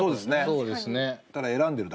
そうですね。